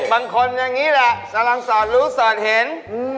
เด็กบางคนอย่างนี้แหละสะล่างสอนรู้สอนเห็น